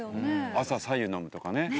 朝白湯飲むとかね。